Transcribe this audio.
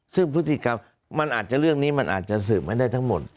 ซึ่งพฤติกรรมมันอาจจะเรื่องนี้มันอาจจะสืบกันได้ทั้งหมด